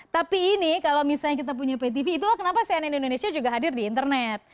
tapi ini kalau misalnya kita punya ptv itulah kenapa cnn indonesia juga hadir di internet